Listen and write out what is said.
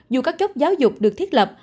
dù các chốc giáo dục được thiết lập